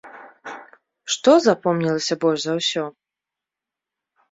Што запомнілася больш за ўсё?